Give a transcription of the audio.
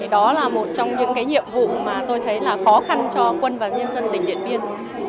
đó là một trong những nhiệm vụ mà tôi thấy là khó khăn cho quân và nhân dân tỉnh điện biên